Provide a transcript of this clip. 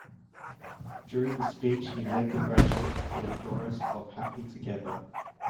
During the speech he led the graduates in a chorus of "Happy Together".